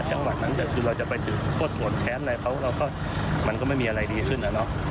จังหวัดนั้นเราจะไปถือโฆษภวรแท้นอะไรมันก็ไม่มีอะไรดีขึ้นแล้ว